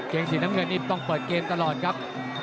เกงสินตนเมือนิบต้องเปิดเกมตลอดครับ